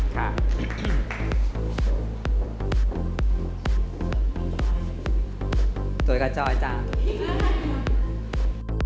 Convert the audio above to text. ค่ะ